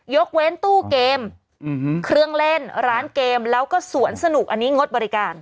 ยกเว้นตู้เกมเครื่องเล่นร้านเกมแล้วก็สวนสนุกอันนี้งดบริการ